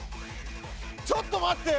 ちょっと待って！